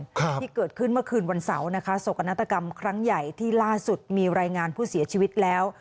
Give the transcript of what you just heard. ครับที่เกิดขึ้นเมื่อคืนวันเสาร์นะคะโศกนาฏกรรมครั้งใหญ่ที่ล่าสุดมีรายงานผู้เสียชีวิตแล้ว